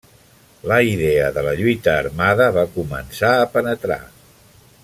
La idea de la lluita armada va començar a penetrar.